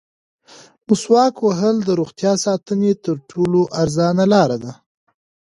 مسواک وهل د روغتیا ساتنې تر ټولو ارزانه لاره ده.